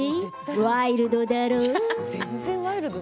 ワイルドだろ。